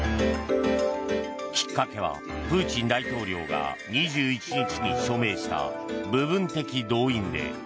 きっかけはプーチン大統領が２１日に署名した部分的動員令。